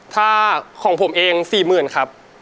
ถ้าของผมเอง๔๐๐๐ครับ